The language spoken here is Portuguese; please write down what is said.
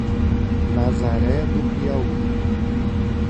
Nazaré do Piauí